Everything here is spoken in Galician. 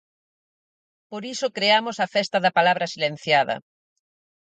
Por iso creamos a Festa da Palabra Silenciada.